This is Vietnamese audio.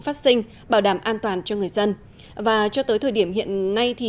phát sinh bảo đảm an toàn cho người dân và cho tới thời điểm hiện nay thì